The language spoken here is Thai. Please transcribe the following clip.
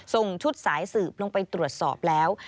ส่งชุดสายสืบลงไปตรวจสอบแล้ว